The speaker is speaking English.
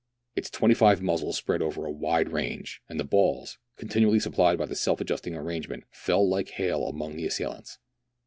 Its twenty five muzzles spread over a wide range, and the balls, continually supplied by a self adjusting arrangement, fell like hail among the assailants.